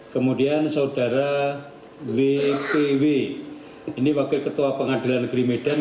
kemudian saudara wpw ini wakil ketua pengadilan negeri medan